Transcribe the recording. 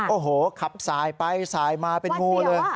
โอ้โหขับสายไปสายมาเป็นงูเลย